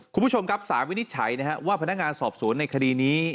คุณผู้ชมครับสารวินิจฉัยนะครับว่าพนักงานสอบสวนในคดีนี้